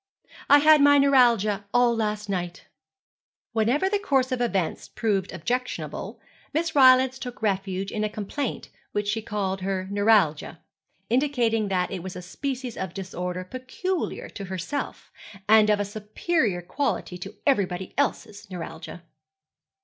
'I had my neuralgia all last night.' Whenever the course of events proved objectionable, Miss Rylance took refuge in a complaint which she called her neuralgia, indicating that it was a species of disorder peculiar to herself, and of a superior quality to everybody else's neuralgia.